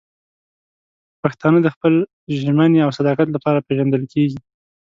پښتانه د خپل ژمنې او صداقت لپاره پېژندل کېږي.